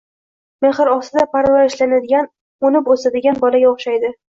mehr ostida parvarishlanadigan, o‘nib o‘sadigan bolaga o‘yshaydi.